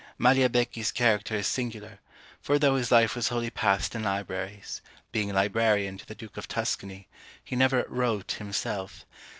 Magliabechi's character is singular; for though his life was wholly passed in libraries, being librarian to the Duke of Tuscany, he never wrote himself.